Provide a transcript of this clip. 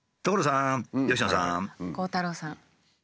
鋼太郎さん。